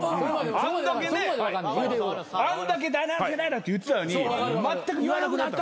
あんだけねあんだけ第７世代だって言ってたのにまったく言わなくなった。